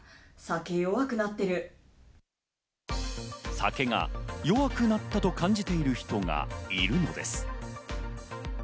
酒が弱くなったと感じている人がいるのです。